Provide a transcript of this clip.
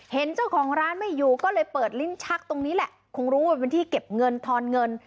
เห็นเจ้าของร้านไม่อยู่ก็เลยเปิดลิ้นชักตรงนี้แหละคงรู้ว่าเป็นที่เก็บเงินทอนเงิน